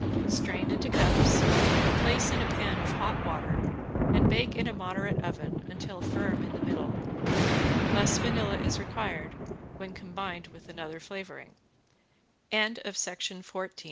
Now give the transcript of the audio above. Strain into cups, place in a pan of hot water, and bake in a moderate oven until firm in the middle. Less vanilla is required when combined with another flavoring. CAKES, CRULLERS AND ECLAIRS ~ALMOND CAKES~ On